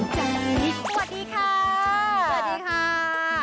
สวัสดีค่ะ